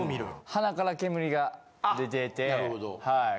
鼻から煙が出ていて。